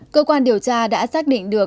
cơ quan điều tra đã xác định được